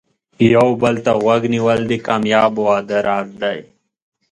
یو بل ته غوږ نیول د کامیاب واده راز دی.